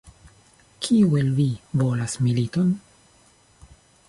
Kiu el vi volas militon?